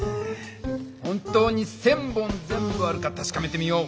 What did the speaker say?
本当に１，０００本全部あるか確かめてみよう。